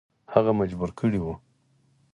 هغه مجبور کړی وو.